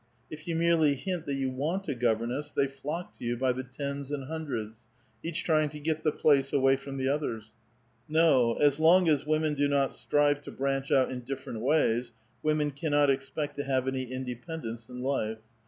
If you merely hint that you want a governess, they flock to you by the tens and hundreds, each trying to get the place away from the others. *' No; as long as women do not strive to branch out in different ways, women cannot expect to have any inde pendence in life.